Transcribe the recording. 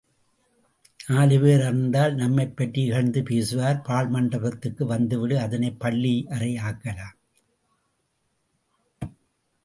நாலுபேர் அறிந்தால் நம்மைப்பற்றி இகழ்ந்து பேசுவர் பாழ்மண்டபத்துக்கு வந்துவிடு அதனைப்பள்ளி யறை ஆக்கலாம்.